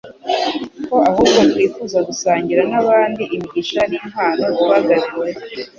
ko ahubwo twifuza gusangira n'abandi imigisha n'impano twagabiwe.